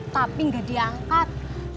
tapi gak diangkat